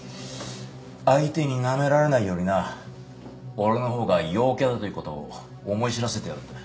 相手になめられないようにな俺のほうが陽キャだという事を思い知らせてやるんだ。